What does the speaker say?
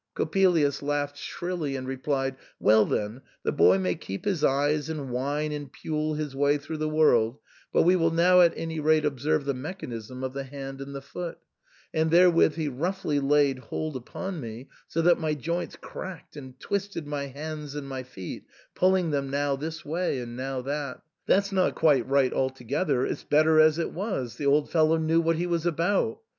Coppelius laughed shrilly and replied, " Well then, the boy may keep his eyes and whine and pule his way through the world ; but we will now at any rate observe the mechanism of the hand and the foot" And there with he roughly laid hold upon me, so that my joints cracked, and twisted my hands and my feet, pulling them now this way, and now that, " That's not quite right altogether ! It's better as it was !— the old fellow knew what he was about."